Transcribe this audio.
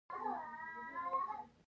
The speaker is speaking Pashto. ایا لاره مو سمه نه شئ تللی؟